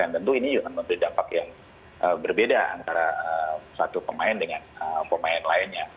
tentu ini juga memberi dampak yang berbeda antara satu pemain dengan pemain lainnya